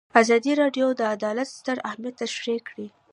ازادي راډیو د عدالت ستر اهميت تشریح کړی.